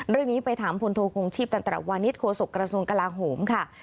เรื่องนี้ไปถามพลโทคงชีพตันตรวานิสโฆษกระทรวงกลาโหมค่ะ